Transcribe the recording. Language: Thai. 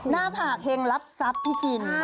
หน้าผลักเฮงลับซับพี่จิน